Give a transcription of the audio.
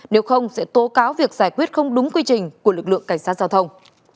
nếu không sẽ tố cáo việc giải quyết không đúng quy trình của lực lượng cảnh sát giao thông